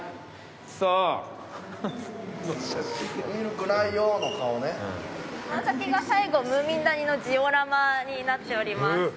この先が最後ムーミン谷のジオラマになっております。